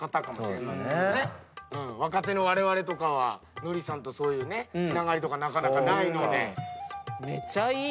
若手のわれわれとかは憲さんとそういうつながりとかなかなかないので。